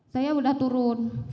saya sudah turun